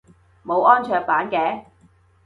冇安卓版嘅？